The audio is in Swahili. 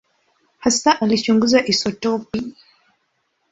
Hasa alichunguza isotopi.